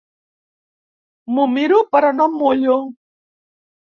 M'ho miro però no em mullo.